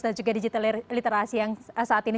dan juga digital literasi yang saat ini